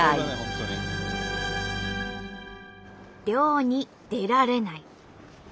漁に出られない。